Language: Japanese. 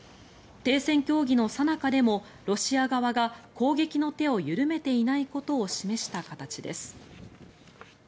停戦協議のさなかでもロシア側が攻撃の手を緩めていないことを示した形です。